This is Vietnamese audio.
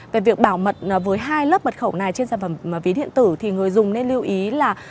về việc bảo mật với hai lớp mật khẩu này trên sản phẩm ví điện tử thì người dùng nên lưu ý là